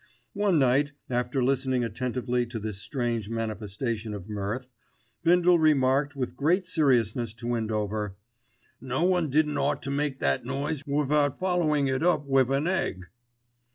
One night after listening attentively to this strange manifestation of mirth, Bindle remarked with great seriousness to Windover: "No one didn't ought to make that noise without followin' it up with an egg."